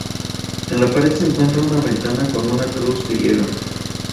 En la pared se encuentra una ventana con una cruz griega.